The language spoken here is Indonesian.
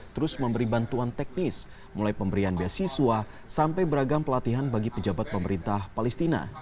terus memberi bantuan teknis mulai pemberian beasiswa sampai beragam pelatihan bagi pejabat pemerintah palestina